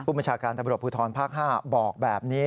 ผู้ประชาการธรรมดาภูทรพภาค๕บอกแบบนี้